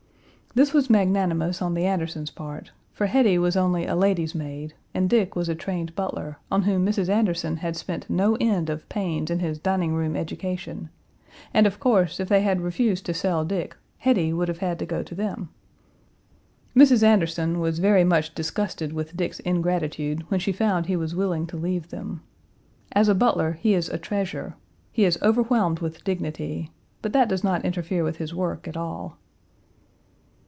This was magnanimous on the Andersons' part, for Hetty was only a lady's maid and Dick was a trained butler, on whom Mrs. Anderson had spent no end of pains in his dining room education, and, of course, if they had refused to sell Dick, Hetty would have had to go to them. Mrs. Anderson was very much disgusted with Dick's ingratitude when she found he was willing to leave them. As a butler he is a treasure; he is overwhelmed with dignity, but that does not interfere with his work at all.